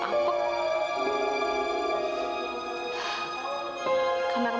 kecil sekali rumahnya